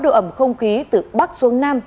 độ ẩm không khí từ bắc xuống nam